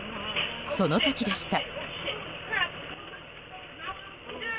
その時でした。